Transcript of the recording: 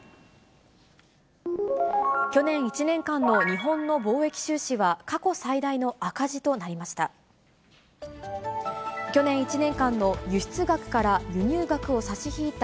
去年１年間の日本の貿易収支は、過去最大の赤字となりました。